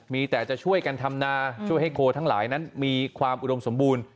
มีแต่จะช่วยกันทำนาช่วยให้โคทั้งหลายนั้นมีความอุดมสมบูรณ์